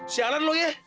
sialan lu ya